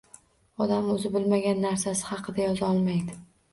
Odam o‘zi bilmagan narsasi haqida yoza olmaydi.